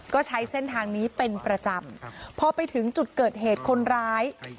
ก็ใช้เส้นทางนี้เป็นประจำพอไปถึงจุดเกิดเหตุคนร้าย